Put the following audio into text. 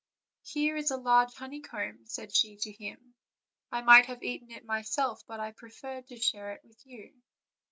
"Here is a large honey comb/' said she to him; "I might have eaten it myself, but I preferred to share it with you."